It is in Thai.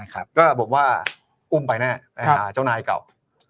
ก็บอกว่าอุ้มไปแน่เจ้านายเก่า